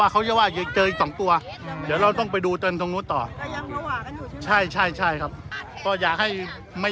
เข้าใจว่าเราต้องรู้ว่ามัน